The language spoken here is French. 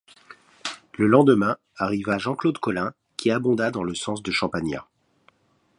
Le lendemain arriva Jean-Claude Colin qui abonda dans le sens de Champagnat.